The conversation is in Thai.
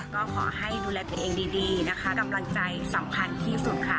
ก็ขอให้ดูแลตัวเองดีนะคะกำลังใจสำคัญที่สุดค่ะ